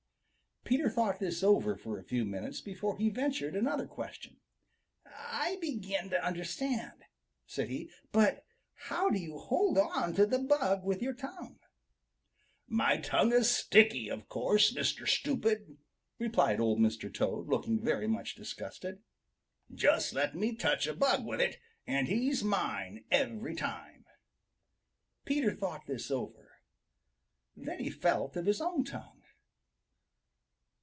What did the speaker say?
Peter thought this over for a few minutes before he ventured another question. "I begin to understand," said he, "but how do you hold on to the bug with your tongue?" "My tongue is sticky, of course, Mr. Stupid," replied Old Mr. Toad, looking very much disgusted. "Just let me touch a bug with it, and he's mine every time." Peter thought this over. Then he felt of his own tongue.